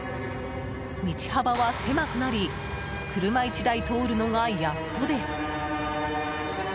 道幅は狭くなり車１台通るのがやっとです。